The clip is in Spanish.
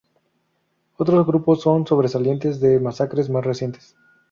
Otros grupos son sobrevivientes de masacres más recientes.